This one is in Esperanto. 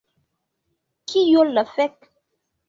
Kio la fek'...